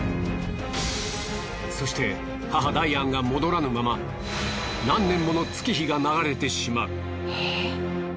そして母ダイアンが戻らぬまま何年もの月日が流れてしまう。